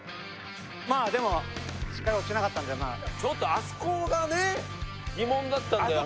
まあでもしっかり落ちなかったんでまあちょっとあそこがね疑問だったんだよ